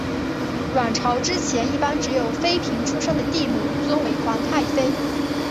阮朝之前一般只有妃嫔出身的帝母尊为皇太妃。